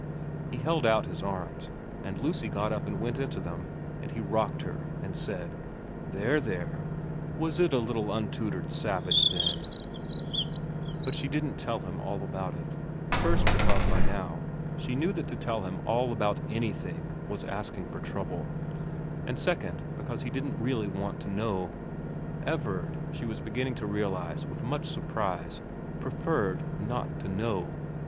He held out his arms, and Lucy got up and went 196 VERA XV1J into them and he rocked her and said, ' There, there was it a little untutored savage then ' But she didn't tell him all about it, first because by now she knew that to tell him all about anything was asking for trouble, and second because he didn't really want to know. Everard, she was beginning to realise with much surprise, preferred not to know.